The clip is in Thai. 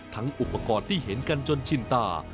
อุปกรณ์ที่เห็นกันจนชินตา